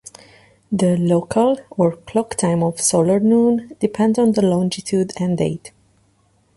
The local or clock time of solar noon depends on the longitude and date.